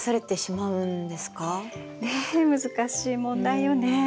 ねえ難しい問題よね。